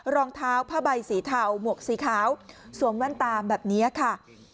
รองเท้าผ้าใบสีเทาหมวกสีขาวสวมแว่นตามแบบนี้ค่ะ